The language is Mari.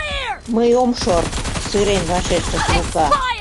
— Мый ом шорт, — сырен вашештыш Лука.